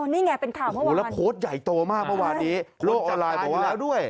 นี่ไงเป็นข่าวพบก่อนโหแล้วโพสต์ใหญ่โตมากพบว่านี้โลกออนไลน์อีกแล้วด้วย